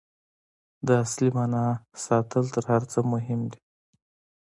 د اصلي معنا ساتل تر هر څه مهم دي.